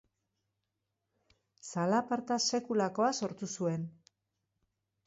Zalaparta sekulakoa sortu zuen.